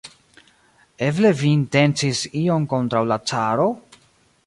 Eble vi intencis ion kontraŭ la caro?